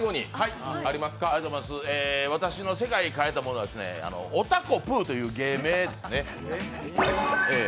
私の世界を変えたものはおたこぷーという芸名ですね。